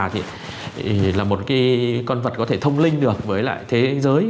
thì là một cái con vật có thể thông linh được với lại thế giới